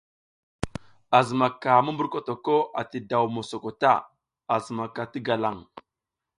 A zimaka mumburkotok ati daw mosoko ta, a zimaka ti galaŋ.